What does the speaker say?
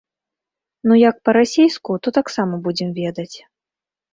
Ну як па-расейску, то таксама будзем ведаць.